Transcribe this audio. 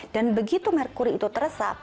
dan begitu merkuri itu teresap